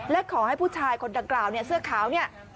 เข้าคำให้ผู้ผู้ใจซื้อขาว